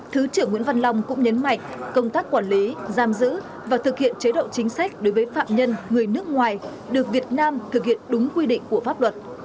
thứ trưởng nguyễn văn long cũng nhấn mạnh công tác quản lý giam giữ và thực hiện chế độ chính sách đối với phạm nhân người nước ngoài được việt nam thực hiện đúng quy định của pháp luật